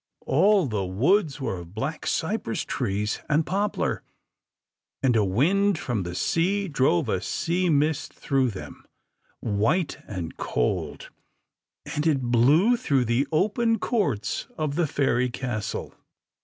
All the woods were of black cypress trees and poplar, and a wind from the sea drove a sea mist through them, white and cold, and it blew through the open courts of the fairy castle.